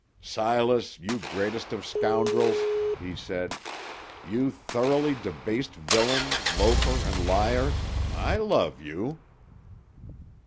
"Silas, you greatest of scoundrels," he said, "you thoroughly debased villain, loafer, and liar, I love you."